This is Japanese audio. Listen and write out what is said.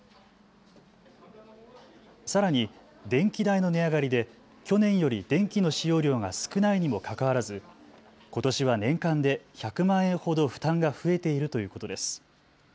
さらに、電気代の値上がりで去年より電気の使用量が少ないにもかかわらず、ことしは年間で１００万円ほど負担が増えているということです。